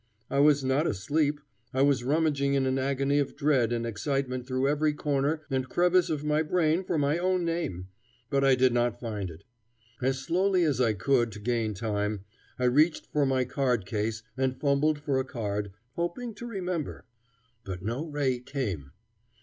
I was not asleep; I was rummaging in an agony of dread and excitement through every corner and crevice of my brain for my own name, but I did not find it. As slowly as I could, to gain time, I reached for my card case and fumbled for a card, hoping to remember. But no ray came.